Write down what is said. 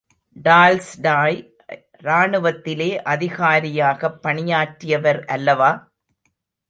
Tolstoy ராணுவத்திலே அதிகாரியாகப் பணியாற்றியவர் அல்லவா?